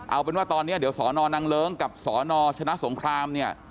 เอาเป็นว่าตอนนี้เดี๋ยวสนนางเลิ้งกับสนชนะสงครามเนี่ย